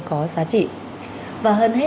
có giá trị và hơn hết